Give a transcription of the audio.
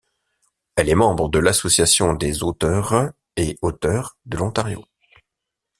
Elle est membre de l'Association des auteures et des auteurs de l'Ontario.